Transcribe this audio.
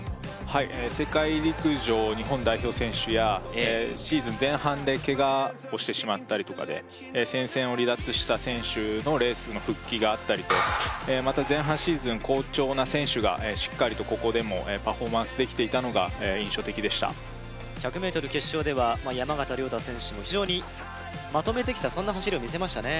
はい世界陸上日本代表選手やシーズン前半でケガをしてしまったりとかで戦線を離脱した選手のレースの復帰があったりとまた前半シーズン好調な選手がしっかりとここでもパフォーマンスできていたのが印象的でした１００ｍ決勝では山縣亮太選手も非常にまとめてきたそんな走りを見せましたね